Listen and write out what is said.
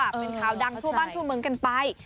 เป็นข่าวดังทั่วบ้านทั่วเมืองกันไป